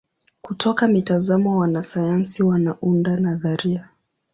Kutoka mitazamo wanasayansi wanaunda nadharia.